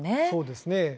そうですよね。